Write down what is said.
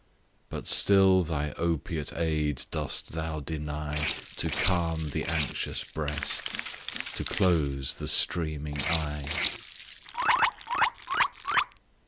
But still thy opiate aid dost thou deny To calm the anxious breast; to close the streaming eye.